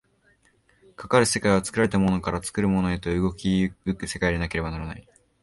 かかる世界は作られたものから作るものへと動き行く世界でなければならない。